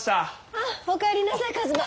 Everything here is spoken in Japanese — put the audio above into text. あっお帰りなさい一馬。